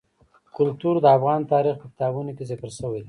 کلتور د افغان تاریخ په کتابونو کې ذکر شوی دي.